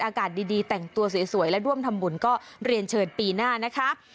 อากาศดีแต่งตัวสวยและร่วมทำบุญก็เรียนเชิญปีหน้านะคะ